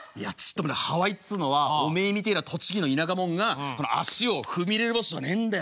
まだハワイっつうのはおめえみてえな栃木の田舎者が足を踏み入れる場所じゃねえんだよ。